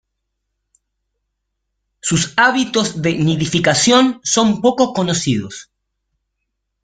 Sus hábitos de nidificación son poco conocidos.